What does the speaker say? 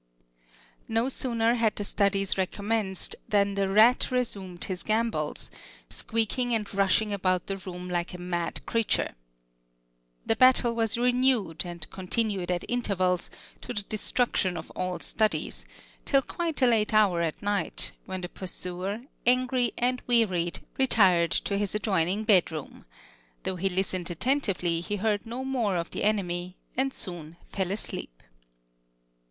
No sooner had the studies recommenced than the rat resumed his gambols, squeaking and rushing about the room like a mad creature. The battle was renewed, and continued at intervals, to the destruction of all studies, till quite a late hour at night, when the pursuer, angry and wearied, retired to his adjoining bedroom; though he listened attentively he heard no more of the enemy, and soon fell asleep.